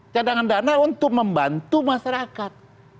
cadangan dana untuk membantu masyarakat